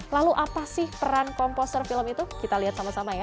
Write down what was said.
lalu apa sih peran komposer film itu kita lihat sama sama ya